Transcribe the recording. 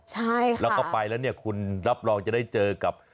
ใช่ค่ะแล้วก็ไปแล้วเนี่ยคุณรับรองจะได้เจอกับ